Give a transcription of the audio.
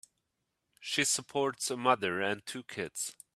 She supports a mother and two kids.